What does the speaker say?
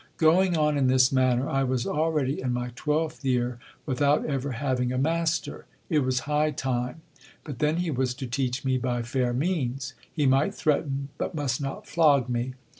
Going on in this manner, I was already in my twelfth year without ever having a master. It was high time ; but then he was to teach me by fair means : he might threaten, but must not flog me.